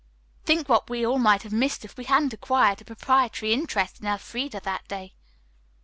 "Think what we all might have missed if we hadn't acquired a proprietary interest in Elfreda that day."